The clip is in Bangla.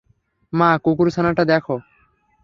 মা, কুকুরছানাটা দেখ।